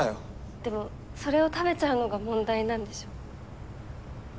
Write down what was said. でもそれを食べちゃうのが問題なんでしょ。